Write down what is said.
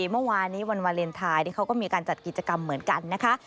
เมื่อวานนี้วันวาเลนไทยเขาก็มีการจัดกิจกรรมเหมือนกันนะคะ